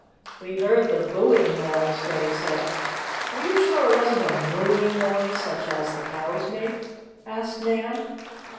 "We heard the booing noise," Freddie said. "Are you sure it wasn't a mooing noise, such as the cows make?" asked Nan.